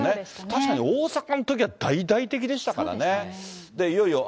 確かに大阪のときは大々的でしたからね。